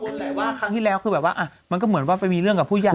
แหละว่าครั้งที่แล้วคือแบบว่ามันก็เหมือนว่าไปมีเรื่องกับผู้ใหญ่